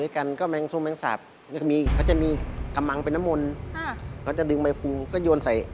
ใกล้ตายมันผิดไป